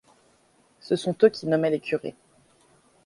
Ce sont eux qui nommaient les curés.